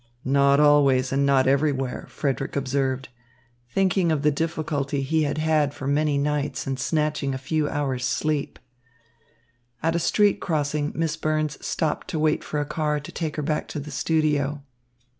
"Not always and not everywhere," Frederick observed, thinking of the difficulty he had had for many nights in snatching a few hours' sleep. At a street crossing Miss Burns stopped to wait for a car to take her back to the studio.